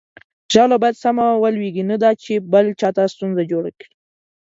ژاوله باید سمه ولویږي، نه دا چې بل چاته ستونزه جوړه کړي.